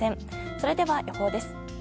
それでは予報です。